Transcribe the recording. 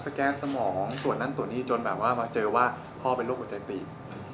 แกนสมองตรวจนั่นตรวจนี่จนแบบว่ามาเจอว่าพ่อเป็นโรคหัวใจตีบ